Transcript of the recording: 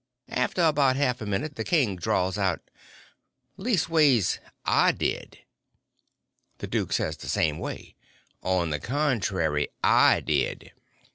After about a half a minute the king drawls out: "Leastways, I did." The duke says, the same way: "On the contrary, I did."